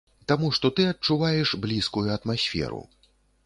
Таму што ты адчуваеш блізкую атмасферу.